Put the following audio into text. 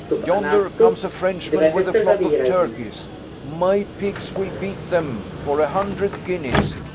Yonder comes a Frenchman with a flock of turkeys. My pigs will beat them, for a hundred guineas.